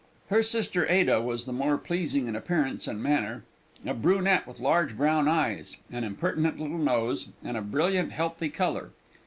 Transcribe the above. Her sister Ada was the more pleasing in appearance and manner, a brunette with large brown eyes, an impertinent little nose, and a brilliant healthy colour.